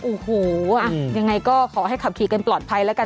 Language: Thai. โอ้โหยังไงก็ขอให้ขับขี่กันปลอดภัยแล้วกัน